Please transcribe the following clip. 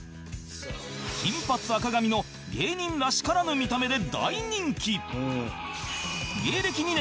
金髪赤髪の芸人らしからぬ見た目で大人気